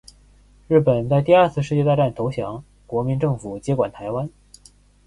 日本在第二次世界大战投降，国民政府接管台湾。